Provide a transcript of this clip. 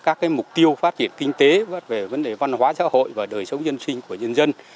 các mục tiêu phát triển kinh tế vấn đề văn hóa xã hội và đời sống nhân sinh của nhân dân